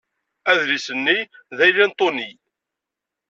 Adlis-nni d agla n Ṭuni.